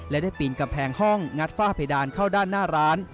และได้ปีนกำแพงห้องงัดฝ้าเพดานเข้าด้านหน้าร้าน